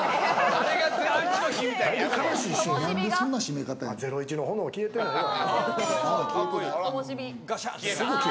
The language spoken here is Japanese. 『ゼロイチ』の炎、消えてないよ。